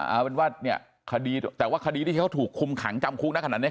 เอาเป็นว่าเนี่ยคดีแต่ว่าคดีที่เขาถูกคุมขังจำคุกนะขนาดนี้